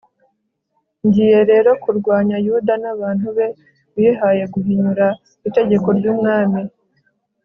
ngiye rero kurwanya yuda n'abantu be, bihaye guhinyura itegeko ry'umwami